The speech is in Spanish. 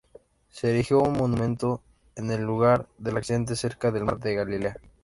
Se erigió un monumento en el lugar del accidente cerca del Mar de Galilea.